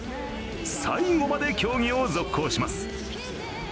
最後まで競技を続行します。